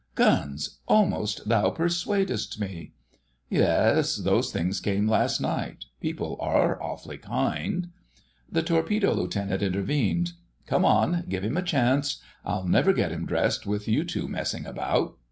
Guns—almost thou persuadest me ..." "Yes, those things came last night: people are awfully kind——" The Torpedo Lieutenant intervened. "Come on, give him a chance—I'll never get him dressed with you two messing about."